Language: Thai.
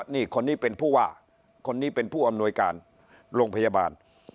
นี่คนนี้เป็นผู้ว่าคนนี้เป็นผู้อำนวยการโรงพยาบาล